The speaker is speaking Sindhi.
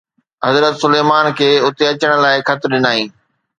حضرت سليمان کي اتي اچڻ لاءِ خط ڏنائين.